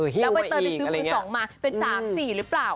แล้วใบเตยไปซื้อมือ๒มาเป็น๓๔หรือเปล่า